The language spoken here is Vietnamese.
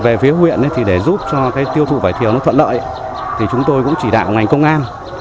về phía huyện để giúp cho tiêu thụ vải thiều thuận lợi chúng tôi cũng chỉ đạo ngành công an